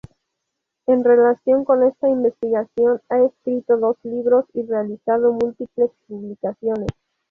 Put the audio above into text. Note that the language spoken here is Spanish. En relación con esta investigación ha escrito dos libros y realizado múltiples publicaciones.